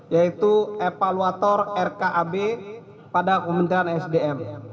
yaitu evaluator rkab pada kementerian sdm